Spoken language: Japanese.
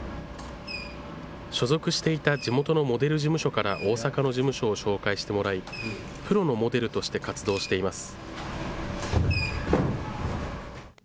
所属していた地元のモデル事務所から大阪の事務所を紹介してもらい、プロのモデルとして活動しています。